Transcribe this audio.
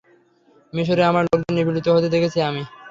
মিশরে আমার লোকেদের নিপীড়িত হতে দেখেছি আমি।